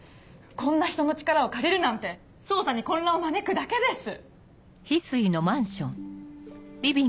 こんな人の力を借りるなんて捜査に混乱を招くだけです！